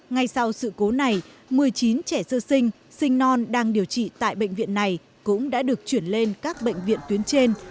ngay sau sự cố này một mươi chín trẻ sơ sinh sinh non đang điều trị tại bệnh viện này cũng đã được chuyển lên các bệnh viện tuyến trên